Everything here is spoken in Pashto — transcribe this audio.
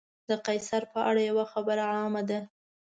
د قیصر په اړه یوه خبره عامه ده.